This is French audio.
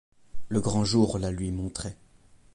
Le grand jour la lui montrait.